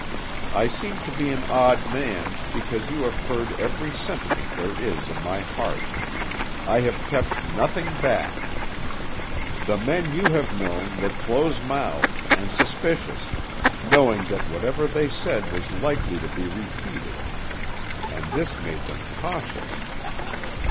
I seem to be an odd man because you have heard every sentiment there is in my heart; I have kept nothing back. The men you have known were close mouthed and suspicious, knowing that whatever they said was likely to be repeated, and this made them cautious.